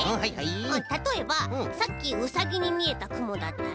たとえばさっきウサギにみえたくもだったら。